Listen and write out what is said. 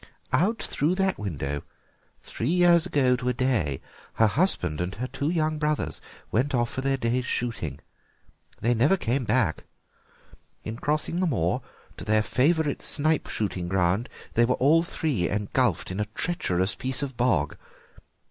"Out through that window, three years ago to a day, her husband and her two young brothers went off for their day's shooting. They never came back. In crossing the moor to their favourite snipe shooting ground they were all three engulfed in a treacherous piece of bog.